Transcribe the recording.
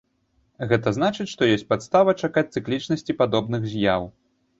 Гэта значыць, што ёсць падстава чакаць цыклічнасці падобных з'яў.